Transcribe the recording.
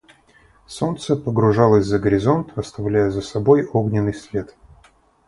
Солнце погружалось за горизонт, оставляя за собой огненный след.